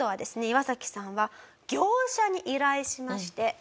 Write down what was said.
イワサキさんは業者に依頼しまして。